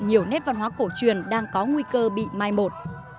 nhiều nét văn hóa cổ truyền đang có nguy cơ bị mai một